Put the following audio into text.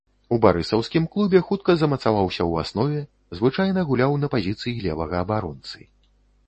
У барысаўскім клубе хутка замацаваўся ў аснове, звычайна гуляў на пазіцыі левага абаронцы.